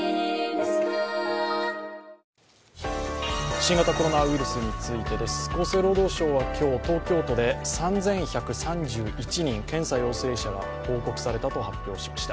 新型コロナウイルスについてです、厚生労働省は今日、東京都で３１３１人、検査陽性者が報告されたと発表しました。